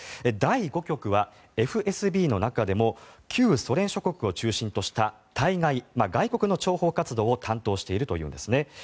第５局はＦＳＢの中でも旧ソ連諸国を中心とした対外、外国の諜報活動を担当しているというんですね。